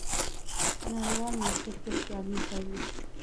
په نړیوال مارکېټ کې سیالي کوي.